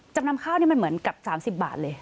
จำนำข้าวนี่มันเหมือนกับ๓๐บาทเลย